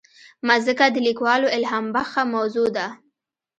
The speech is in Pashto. مځکه د لیکوالو الهامبخښه موضوع ده.